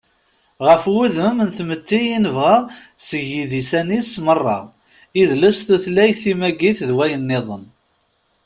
Ɣef wudem n tmetti i nebɣa seg yidisan-is meṛṛa: idles, tutlayt, timagit, d wayen-nniḍen.